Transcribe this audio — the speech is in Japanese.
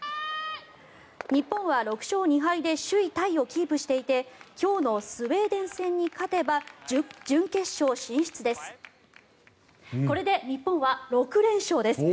日本は６勝２敗で首位タイをキープしていて今日のスウェーデン戦に勝てば準決勝進出です。